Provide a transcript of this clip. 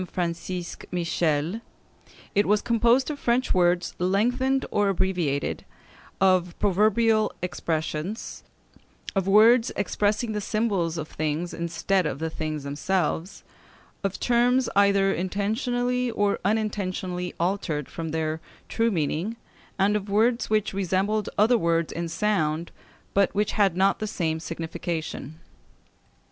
Francisque Michel, it was composed of French words lengthened or abbreviated; of proverbial expressions; of words expressing the symbols of things instead of the things themselves; of terms either intentionally or unintentionally altered from their true meaning; and of words which resembled other words in sound, but which had not the same signification.